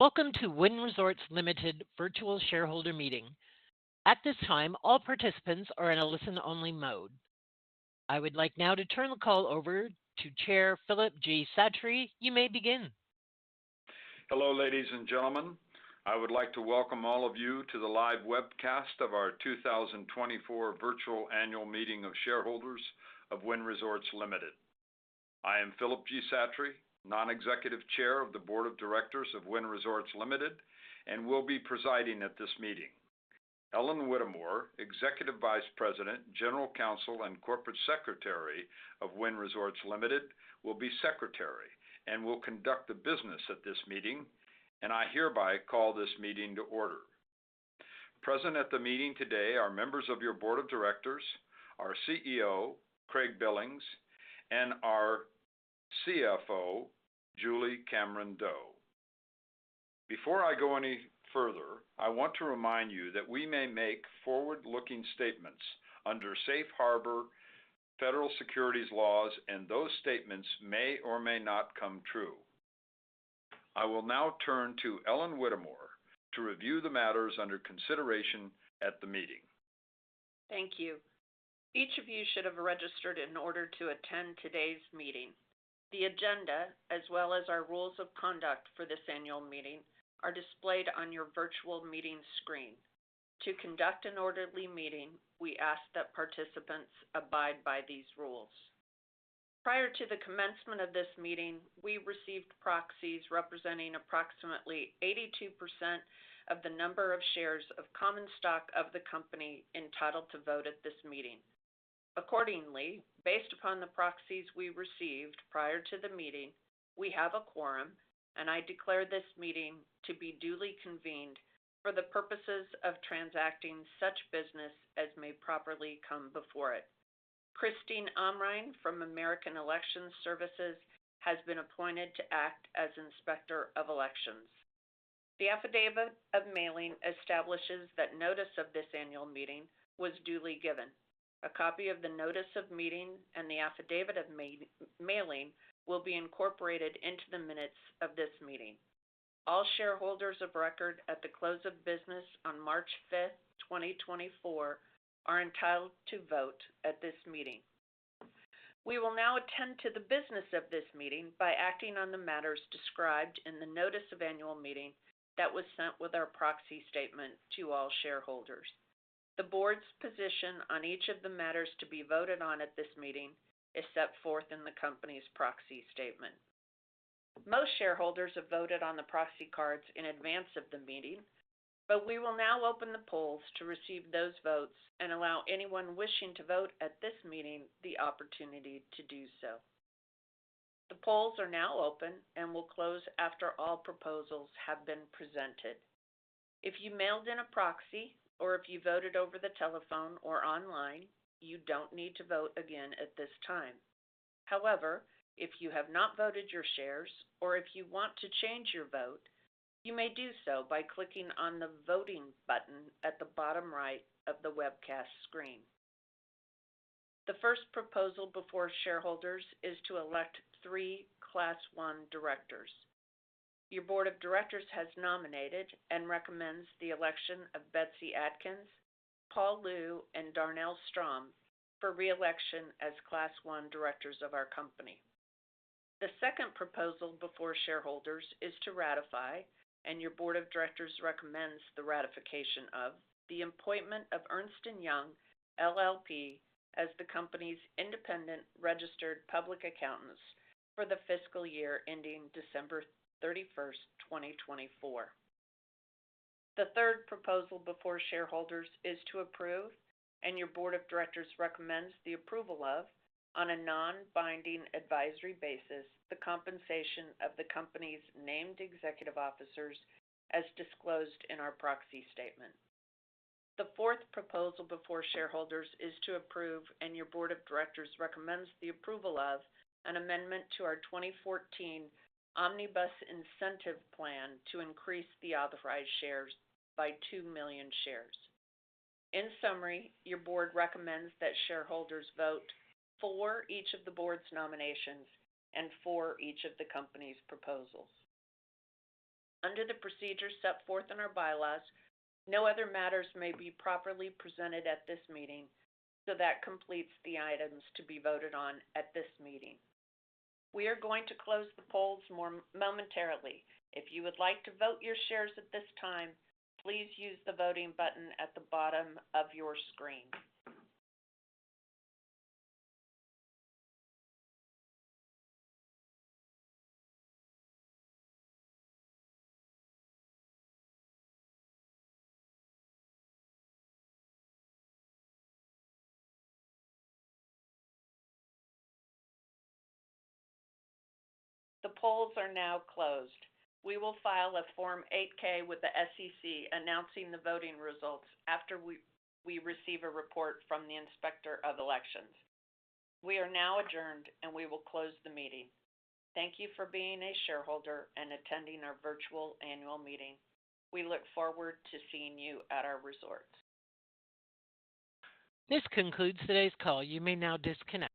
Welcome to Wynn Resorts Limited virtual shareholder meeting. At this time, all participants are in a listen-only mode. I would like now to turn the call over to Chair Philip G. Satre. You may begin. Hello ladies and gentlemen. I would like to welcome all of you to the live webcast of our 2024 virtual annual meeting of shareholders of Wynn Resorts Limited. I am Philip G. Satre, Non-Executive Chair of the board of directors of Wynn Resorts Limited, and will be presiding at this meeting. Ellen Whittemore, Executive Vice President, General Counsel, and Corporate Secretary of Wynn Resorts Limited, will be secretary and will conduct the business at this meeting, and I hereby call this meeting to order. Present at the meeting today are members of your board of directors, our CEO Craig Billings, and our CFO Julie Cameron-Doe. Before I go any further, I want to remind you that we may make forward-looking statements under Safe Harbor Federal Securities Laws, and those statements may or may not come true. I will now turn to Ellen Whittemore to review the matters under consideration at the meeting. Thank you. Each of you should have registered in order to attend today's meeting. The agenda, as well as our rules of conduct for this annual meeting, are displayed on your virtual meeting screen. To conduct an orderly meeting, we ask that participants abide by these rules. Prior to the commencement of this meeting, we received proxies representing approximately 82% of the number of shares of common stock of the company entitled to vote at this meeting. Accordingly, based upon the proxies we received prior to the meeting, we have a quorum, and I declare this meeting to be duly convened for the purposes of transacting such business as may properly come before it. Christine Omrine from American Election Services has been appointed to act as Inspector of Elections. The affidavit of mailing establishes that notice of this annual meeting was duly given. A copy of the notice of meeting and the affidavit of mailing will be incorporated into the minutes of this meeting. All shareholders of record at the close of business on March 5, 2024, are entitled to vote at this meeting. We will now attend to the business of this meeting by acting on the matters described in the notice of annual meeting that was sent with our proxy statement to all shareholders. The board's position on each of the matters to be voted on at this meeting is set forth in the company's proxy statement. Most shareholders have voted on the proxy cards in advance of the meeting, but we will now open the polls to receive those votes and allow anyone wishing to vote at this meeting the opportunity to do so. The polls are now open and will close after all proposals have been presented. If you mailed in a proxy or if you voted over the telephone or online, you don't need to vote again at this time. However, if you have not voted your shares or if you want to change your vote, you may do so by clicking on the voting button at the bottom right of the webcast screen. The first proposal before shareholders is to elect three Class I Directors. Your board of directors has nominated and recommends the election of Betsy Atkins, Paul Liu, and Darnell Strom for re-election as Class I directors of our company. The second proposal before shareholders is to ratify, and your board of directors recommends the ratification of the appointment of Ernst & Young LLP as the company's independent registered public accountants for the fiscal year ending December 31, 2024. The third proposal before shareholders is to approve and your board of directors recommends the approval of, on a non-binding advisory basis, the compensation of the company's named executive officers as disclosed in our Proxy Statement. The fourth proposal before shareholders is to approve, and your board of directors recommends the approval of an amendment to our 2014 Omnibus Incentive Plan to increase the authorized shares by 2 million shares. In summary, your board recommends that shareholders vote for each of the board's nominations and for each of the company's proposals. Under the procedure set forth in our by laws, no other matters may be properly presented at this meeting, so that completes the items to be voted on at this meeting. We are going to close the polls momentarily. If you would like to vote your shares at this time, please use the voting button at the bottom of your screen. The polls are now closed. We will file a Form 8-K with the SEC announcing the voting results after we receive a report from the inspector of elections. We are now adjourned and we will close the meeting. Thank you for being a shareholder and attending our virtual annual meeting. We look forward to seeing you at our resorts. This concludes today's call. You may now disconnect.